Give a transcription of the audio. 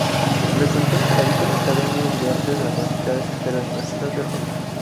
Frecuentó la academia de artes dramáticas de la universidad de Roma.